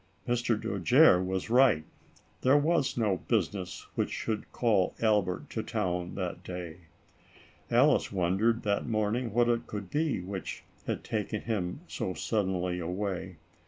Mr. Dojere was right. There was no business which should call Albert to town that day. Alice wondered, that morning, what it could be, which had taken him so suddenly away.